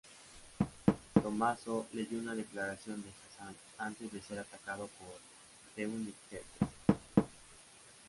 Tommaso leyó una declaración de Hassan antes de ser atacado por The Undertaker.